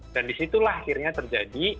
dan disitulah akhirnya terjadi